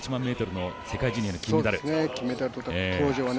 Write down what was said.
１００００ｍの世界ジュニアの金メダルは。